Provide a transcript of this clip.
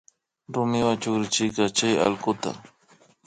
Rumiwa chukrichirka chay allkuta